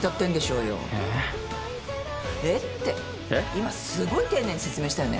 今すごい丁寧に説明したよね。